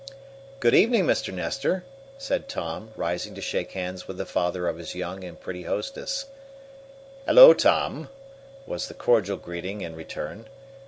"Good evening, Mr. Nestor!" said Tom, rising to shake hands with the father of his young and pretty hostess. "Hello, Tom!" was the cordial greeting, in return.